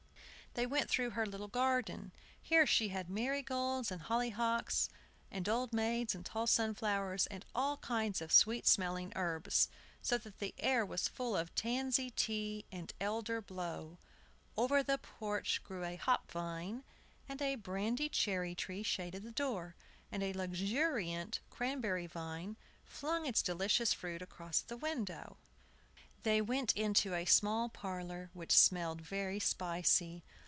They went through her little garden. Here she had marigolds and hollyhocks, and old maids and tall sunflowers, and all kinds of sweet smelling herbs, so that the air was full of tansy tea and elder blow. Over the porch grew a hop vine, and a brandy cherry tree shaded the door, and a luxuriant cranberry vine flung its delicious fruit across the window. They went into a small parlor, which smelt very spicy.